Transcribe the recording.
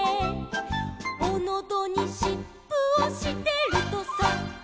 「おのどにしっぷをしてるとさ」